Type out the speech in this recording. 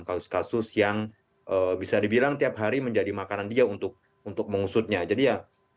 kasus kasus yang bisa dibilang tiap hari menjadi makanan dia untuk untuk mengusutnya jadi ya